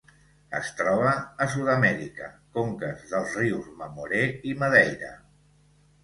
Es troba a Sud-amèrica: conques dels rius Mamoré i Madeira.